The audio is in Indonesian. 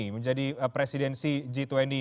menjadi presidensi g dua puluh